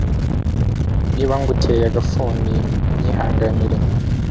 niba nguteye agafuni unyihanganire